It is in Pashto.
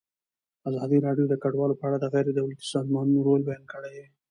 ازادي راډیو د کډوال په اړه د غیر دولتي سازمانونو رول بیان کړی.